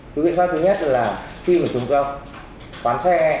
cái viện pháp thứ nhất là khi mà chúng ta khoán xe